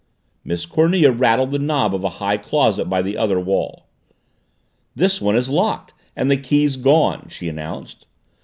Miss Cornelia rattled the knob of a high closet by the other wall. "This one is locked and the key's gone," she announced.